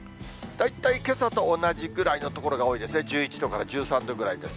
大体けさと同じくらいの所が多いですね、１１度から１３度ぐらいです。